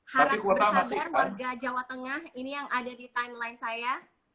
haram berkadar warga jawa tengah ini yang ada di timeline saya